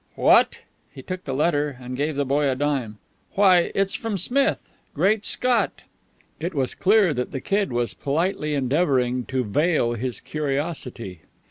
"What!" He took the letter, and gave the boy a dime. "Why, it's from Smith. Great Scott!" It was apparent that the Kid was politely endeavoring to veil his curiosity.